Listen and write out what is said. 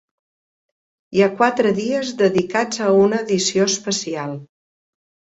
Hi ha quatre dies dedicats a una edició especial.